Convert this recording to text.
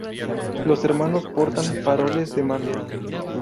Los hermanos portan faroles de mano.